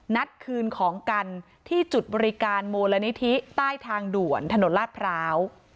นัดคืนของกันที่จุดบริการมูลนิธิใต้ทางด่วนถนนลาดพร้าว